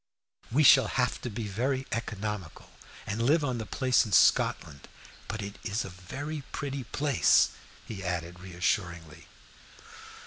We shall have to be very economical, and live on the place in Scotland. But it is a very pretty place," he added, reassuringly.